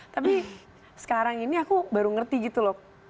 tapi sekarang ini aku baru ngerti gitu loh